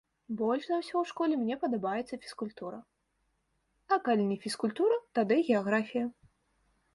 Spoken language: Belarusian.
Больш за ўсё ў школе мне падабаецца фізкультура, а калі не фізкультура, тады геаграфія.